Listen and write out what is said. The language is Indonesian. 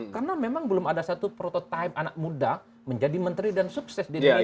karena memang belum ada satu prototipe anak muda menjadi menteri dan sukses di indonesia ini